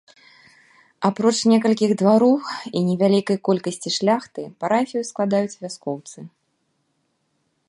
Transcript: Апроч некалькіх двароў і невялікай колькасці шляхты, парафію складаюць вяскоўцы.